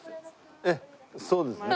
ええそうですね。